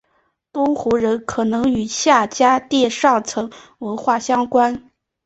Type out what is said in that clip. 东胡人可能与夏家店上层文化相关。